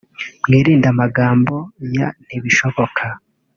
mwirinde amagambo ya ntibishoboka